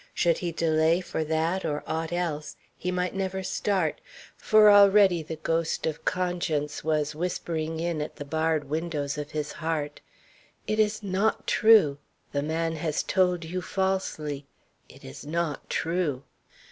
Should he delay for that or aught else, he might never start; for already the ghost of conscience was whispering in at the barred windows of his heart: "It is not true. The man has told you falsely. It is not true."